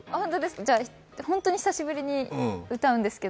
じゃ、本当に久しぶりに歌うんですけど。